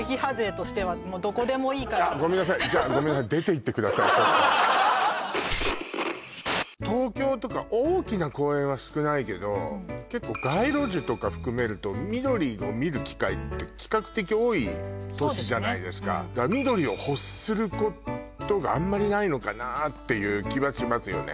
ごめんなさいじゃあ東京とか大きな公園は少ないけど結構街路樹とか含めると緑を見る機会って比較的多い都市じゃないですかだから緑を欲することがあんまりないのかなっていう気はしますね